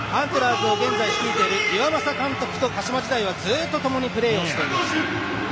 アントラーズを率いている岩政監督と鹿島時代はともにプレーをしていました。